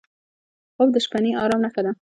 خوب د شپهني ارام نښه ده